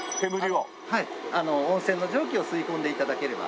はい温泉の蒸気を吸い込んで頂ければ。